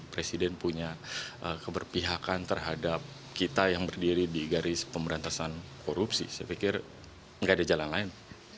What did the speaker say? presiden punya keberpihakan terhadap kita yang berdiri di garis pemberantasan korupsi saya pikir nggak ada jalan lain